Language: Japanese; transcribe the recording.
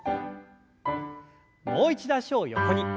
もう一度脚を横に。